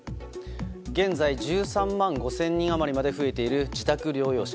現在、１３万５０００人余りまで増えている自宅療養者。